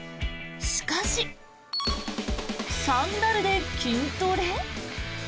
しかし、サンダルで筋トレ？